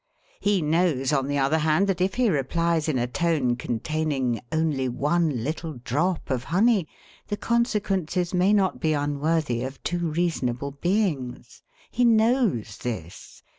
He knows, on the other hand, that if he replies in a tone containing only one little drop of honey, the consequences may not be unworthy of two reasonable beings. He knows this.